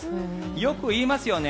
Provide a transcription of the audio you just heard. よく言いますよね